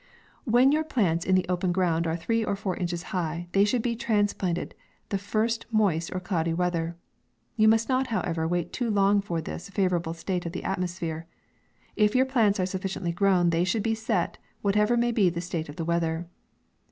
When your plants in the open ground are three or four inches high, they should be trans planted the first moist or cloudy weather. You must not, however, wait too long for this favourable state of the atmosphere. If your plants are sufficiently grown, they should be set, whatever may be the state of the weath er.